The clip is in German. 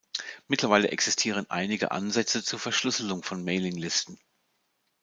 Mittlerweile existieren einige Ansätze zur Verschlüsselung von Mailinglisten.